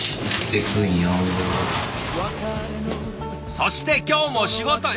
そして今日も仕事へ。